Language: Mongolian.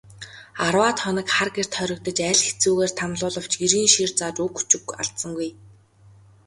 Арваад хоног хар гэрт хоригдож, аль хэцүүгээр тамлуулавч эрийн шийр зааж үг өчиг алдсангүй.